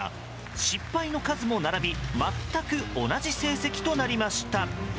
失敗の数も並び全く同じ成績となりました。